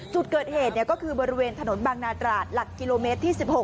จุดเกิดเหตุก็คือบริเวณถนนบางนาตราดหลักกิโลเมตรที่๑๖